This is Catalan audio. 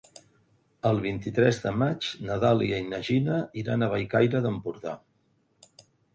El vint-i-tres de maig na Dàlia i na Gina iran a Bellcaire d'Empordà.